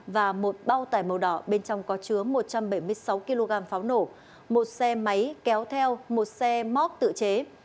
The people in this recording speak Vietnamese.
và một bao tải màu đỏ bên trong có chứa một trăm bảy mươi sáu kg pháo nổ một xe máy kéo theo một xe móc tự chế